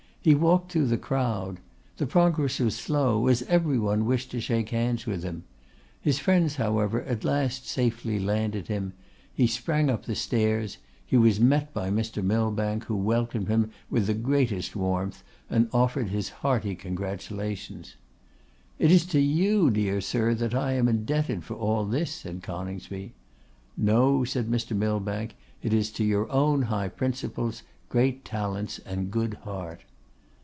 He walked through the crowd. The progress was slow, as every one wished to shake hands with him. His friends, however, at last safely landed him. He sprang up the stairs; he was met by Mr. Millbank, who welcomed him with the greatest warmth, and offered his hearty congratulations. 'It is to you, dear sir, that I am indebted for all this,' said Coningsby. 'No,' said Mr. Millbank, 'it is to your own high principles, great talents, and good heart.